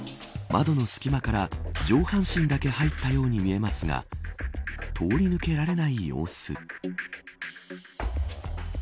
窓の隙間から、上半身だけ入ったように見えますが通り抜けられない様子。